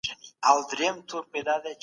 بهرنۍ پالیسي د ملتونو ترمنځ د دوستۍ بنسټ دی.